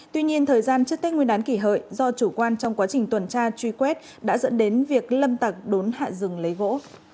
tuy nhiên thời gian trước tết nguyên đán kỷ hợi do chủ quan trong quá trình tuần tra truy quét đã dẫn đến việc lâm tặc đốn hạ rừng lấy gỗ